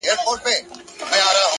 زحمت د بریا د کښت اوبه دي.!